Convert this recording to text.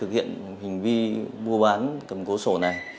hành vi mua bán cầm cố sổ này